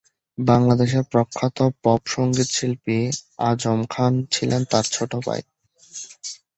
বাংলাদেশের প্রখ্যাত পপ সঙ্গীত শিল্পী আজম খান ছিলেন তার ছোট ভাই।